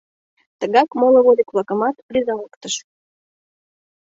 Тыгак моло вольык-влакымат рӱзалыктышт.